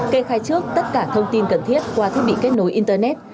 kê khai trước tất cả thông tin cần thiết qua thiết bị kết nối internet